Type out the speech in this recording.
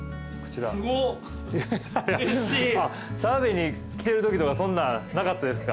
澤部来てるときとかそんなんなかったですか？